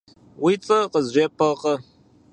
Уи цӀэр къызжепӀэркъэ.